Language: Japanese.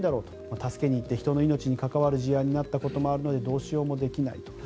助けに行って人の命に関わる事案になったこともあるのでどうしようもできないと。